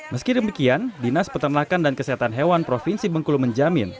meski demikian dinas peternakan dan kesehatan hewan provinsi bengkulu menjamin